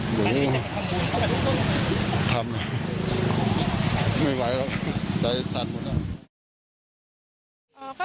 หนูทำไม่ไหวแล้วใจทันหมดแล้ว